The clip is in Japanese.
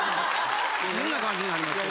変な感じになりますけど。